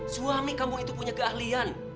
suami kamu itu punya keahlian